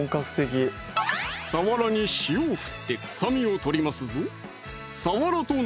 鰆に塩を振って臭みを取りますぞ